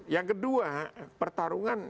yang kedua pertarungan